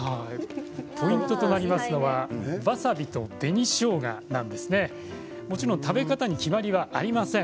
ポイントになりますのがわさびと紅しょうがです、もちろん食べ方に決まりはありません。